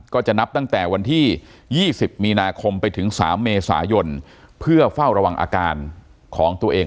ก็จะนับตั้งแต่วันที่๒๐มีนาคมไปถึง๓เมษายนเพื่อเฝ้าระวังอาการของตัวเอง